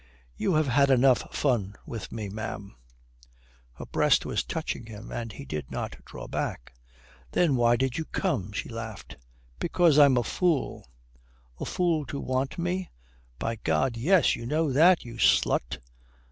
"You have had enough fun with me, ma'am." Her breast was touching him, and he did not draw back. "Then why did you come?" She laughed. "Because I'm a fool." "A fool to want me?" "By God, yes. You know that, you slut."